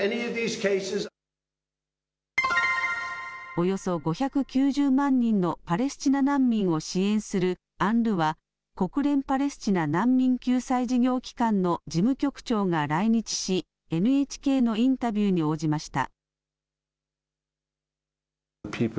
およそ５９０万人のパレスチナ難民を支援するＵＮＲＷＡ・国連パレスチナ難民救済事業機関の事務局長が来日し、ＮＨＫのインタビューに応じました。